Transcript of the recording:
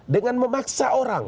dengan memaksa orang